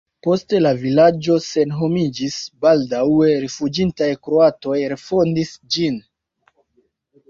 Poste la vilaĝo senhomiĝis, baldaŭe rifuĝintaj kroatoj refondis ĝin.